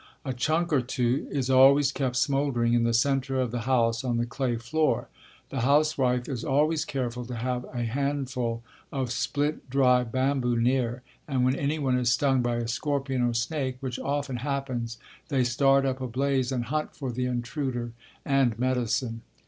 "A chunk or two" is always kept smouldering in the center of the house on the clay floor. The housewife is always careful to have a handful of split dry bamboo near, and when anyone is stung by a scorpion or snake (which often happens) they start up a blaze and hunt for the intruder and medicine.